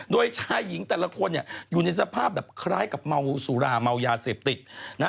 โดยชายหญิงแต่ละคนเนี่ยอยู่ในสภาพแบบคล้ายกับเมาสุราเมายาเสพติดนะฮะ